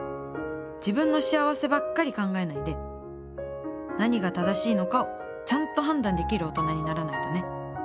自分の幸せばっかり考えないで何が正しいのかをちゃんと判断できる大人にならないとね。